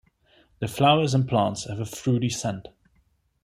The flowers and plants have a fruity scent.